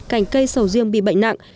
cành cây sầu riêng bị bệnh nặng